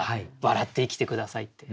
「笑って生きて下さい」って。